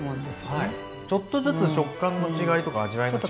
ちょっとずつ食感の違いとか味わいの違い。